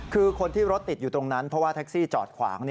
คือคนที่รถติดอยู่ตรงนั้นเพราะว่าแท็กซี่จอดขวาง